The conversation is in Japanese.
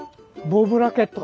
ボウブラケット？